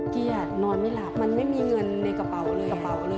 เกียจนอนไม่หลับมันไม่มีเงินในกระเป๋าเลย